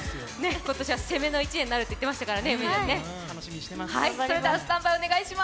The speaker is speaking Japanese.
今年は攻めの一年になると言っていましたからね。